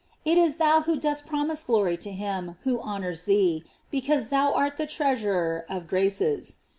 It is thou who dost promise glory to him who honors thee, because * bou art the treasurer of graces.